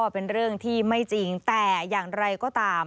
เป็นเรื่องที่ไม่จริงแต่อย่างไรก็ตาม